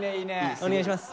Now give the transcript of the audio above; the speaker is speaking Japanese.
お願いします。